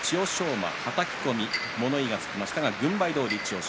馬と妙義龍物言いがつきましたが軍配どおり千代翔